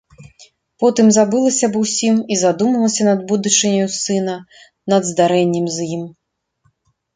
Потым забылася аб усім і задумалася над будучыняю сына, над здарэннем з ім.